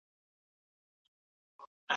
خربوزه او انګور هم ښه کولی شو.